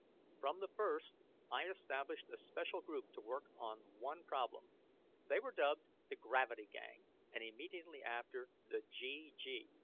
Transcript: From the first, I established a special group to work on one problem. They were dubbed the Gravity Gang, and immediately after, the GG.